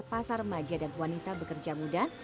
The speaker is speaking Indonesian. pasar maja dan wanita bekerja muda